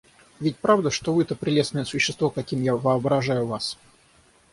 Ведь правда, что вы то прелестное существо, каким я воображаю вас?